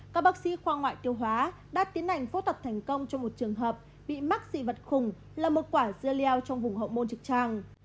các bác sĩ khoa ngoại tiêu hóa đã tiến hành phẫu thuật thành công cho một trường hợp bị mắc dị vật khủng là một quả zia leo trong vùng hậu môn trực tràng